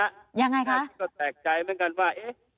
ยังไงคะก็แปลกใจเหมือนกันว่าเอ๊ะ